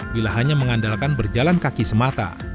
bila hanya mengandalkan berjalan kaki semata